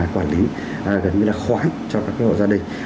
quản lý gần như là khoán cho các hộ gia đình